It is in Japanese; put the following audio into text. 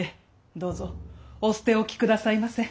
どうぞお捨て置き下さいませ。